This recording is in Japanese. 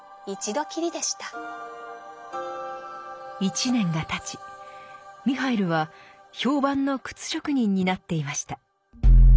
一年がたちミハイルは評判の靴職人になっていました。